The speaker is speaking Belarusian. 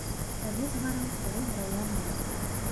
Тады згарэў стары драўляны дом.